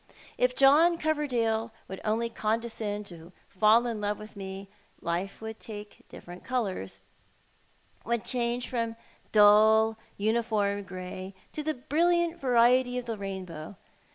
If John Coverdalo would only condescend to fall in love with me life would take different colours— would change from dull, uniform grey to the brilliant variety of the rainbow.